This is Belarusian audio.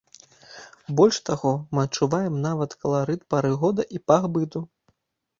Больш таго, мы адчуваем нават каларыт пары года і пах быту.